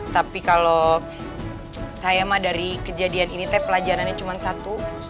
tapi kalau saya mah dari kejadian ini teh pelajarannya cuma satu